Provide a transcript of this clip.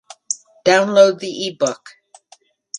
Download the eBook